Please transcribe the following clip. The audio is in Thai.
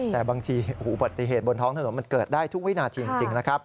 แต่บางทีอุบัติเหตุบนท้องถนนมันเกิดได้ทุกวินาทีจริงนะครับ